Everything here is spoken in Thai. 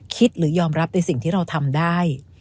หรือยอมรับในสิ่งที่เราทำได้